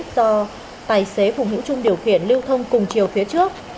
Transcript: do tài xế phùng hữu trung điều khiển lưu thông cùng chiều phía trước